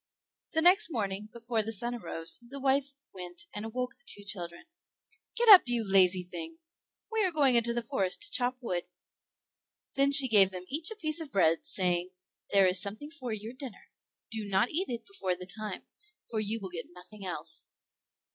The next morning, before the sun arose, the wife went and awoke the two children. "Get up, you lazy things; we are going into the forest to chop wood." Then she gave them each a piece of bread, saying, "There is something for your dinner; do not eat it before the time, for you will get nothing else."